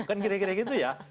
kan kira kira gitu ya